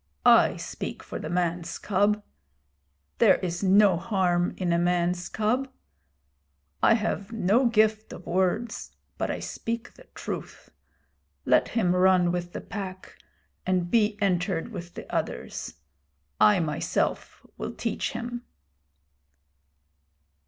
'I speak for the man's cub. There is no harm in a man's cub. I have no gift of words, but I speak the truth. Let him run with the Pack, and be entered with the others. I myself will teach him.'